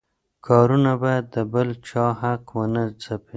کارونه باید د بل چا حق ونه ځپي.